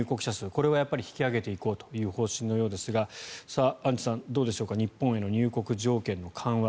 これを引き上げていこうという方針のようですがアンジュさん、どうでしょうか日本への入国条件の緩和。